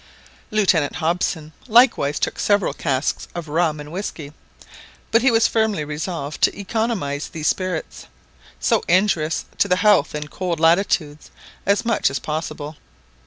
Lieutenant Hobson likewise took several casks of rum and whisky; but he was firmly resolved to economise these spirits, so injurious to the health in cold latitudes, as much as possible.